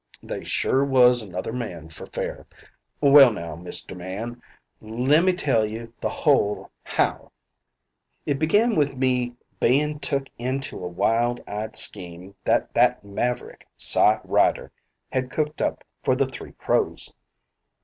"They sure was another man for fair. Well, now, Mr. Man, lemmee tell you the whole 'how.' "It began with me bein' took into a wild eyed scheme that that maverick, Cy Ryder, had cooked up for the Three Crows.